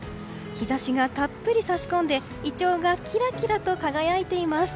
日差しがたっぷり差し込んでイチョウがキラキラと輝いています。